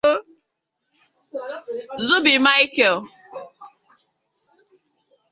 Zubby Michael